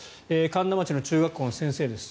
苅田町の中学校の先生です。